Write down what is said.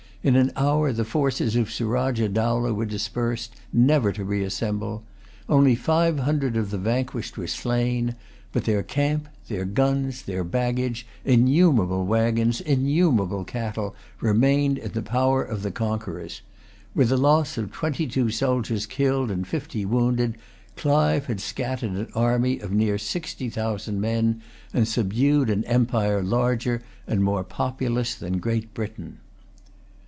In an hour the forces of Surajah Dowlah were dispersed, never to reassemble. Only five hundred of the vanquished were slain. But their camp, their guns, their baggage, innumerable waggons, innumerable cattle, remained in the power of the conquerors. With the loss of twenty two soldiers killed and fifty wounded, Clive had scattered an army of near sixty thousand men, and subdued an empire larger and more populous than Great Britain.